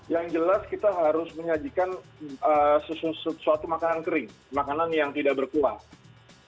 yang jelas kita harus menyajikan sesuatu makanan kering makanan yang tidak berkuah